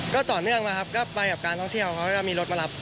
ก็ต่อเนื่องมาครับก็ไปกับการท่องเที่ยวเขาก็มีรถมารับ